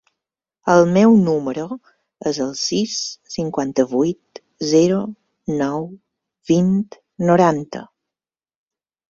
El meu número es el sis, cinquanta-vuit, zero, nou, vint, noranta.